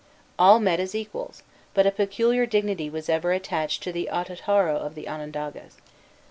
All met as equals, but a peculiar dignity was ever attached to the Atotarho of the Onondagas.